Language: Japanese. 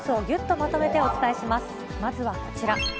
まずはこちら。